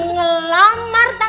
melamar tante kim